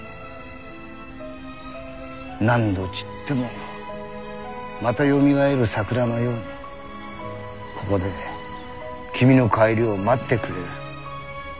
何度散ってもまたよみがえる桜のようにここで君の帰りを待ってくれる。